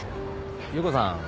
優子さん